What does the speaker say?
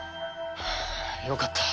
よかった。